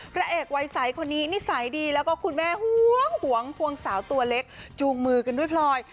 พระเอกวัยใสคนนี้นิสัยดีแล้วก็คุณแม่ห่วงห่วงสาวตัวเล็กจูงมือกันด้วยพลอย